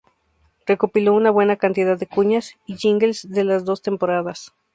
Recopiló una buena cantidad de cuñas y jingles de las dos temporadas.